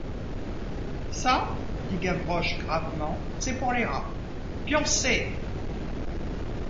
Ça, dit Gavroche gravement, c’est pour les rats. — Pioncez!